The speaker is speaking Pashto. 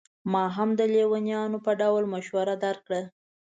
ما هم د لېونیانو په ډول مشوره درکړه.